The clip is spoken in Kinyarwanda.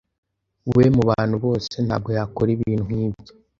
We, mubantu bose, ntabwo yakora ibintu nkibyo.